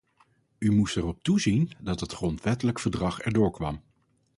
U moest erop toezien dat het grondwettelijk verdrag erdoor kwam.